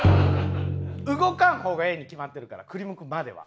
動かん方がええに決まってるから振り向くまでは。